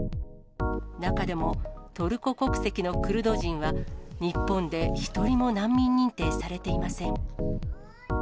中でもトルコ国籍のクルド人は、日本で一人も難民認定されていません。